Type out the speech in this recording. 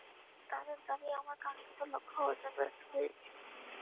তাদের দাবি, আমরা কাঙ্খিত লক্ষ্য অর্জনে ব্যর্থ হয়েছি।